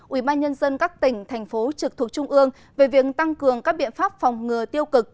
ủy ban nhân dân các tỉnh thành phố trực thuộc trung ương về việc tăng cường các biện pháp phòng ngừa tiêu cực